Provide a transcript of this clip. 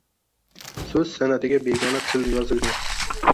So‘z san’atiga begona tilda yozilgan.